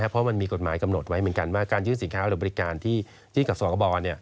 เพราะมันมีกฎหมายกำหนดไว้เหมือนกันว่าการยื่นสินค้าหรือบริการที่กับสกบ